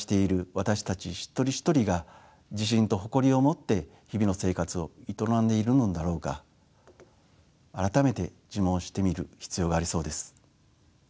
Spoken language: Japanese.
私たち一人一人が自信と誇りを持って日々の生活を営んでいるのだろうか改めて自問してみる必要がありそうです。